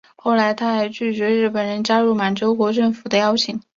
后来他还曾拒绝日本人加入满洲国政府的邀请。